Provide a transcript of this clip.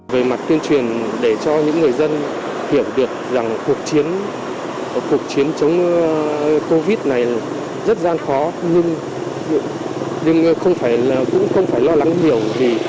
về mặt tuyên truyền để cho những người dân hiểu được rằng cuộc chiến chống covid này rất gian khó nhưng cũng không phải lo lắng hiểu gì